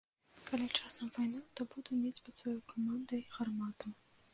Калі часамі вайна, то буду мець пад сваёй камандай гармату.